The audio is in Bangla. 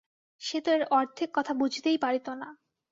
সে তো এর অর্ধেক কথা বুঝিতেই পারিত না।